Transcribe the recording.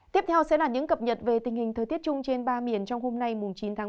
tiếp theo sẽ là những cập nhật về tình hình thời tiết chung trên ba miền trong hôm nay chín tháng bốn